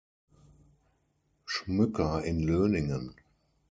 Schmücker, in Löningen.